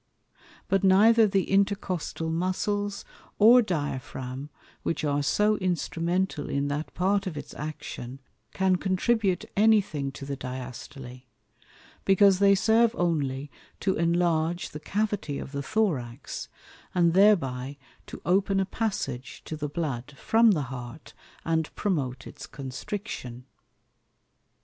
But neither the Intercostal Muscles, or Diaphragm, which are so instrumental in that part of its action, can contribute any thing to the Diastole; because they serve only to enlarge the Cavity of the Thorax, and thereby to open a passage to the Blood from the Heart, and promote its Constriction.